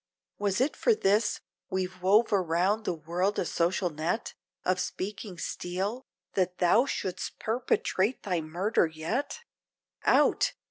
Was it for this! we've wove around the world a social net Of speaking steel, that thou should'st perpetrate thy murder yet? Out!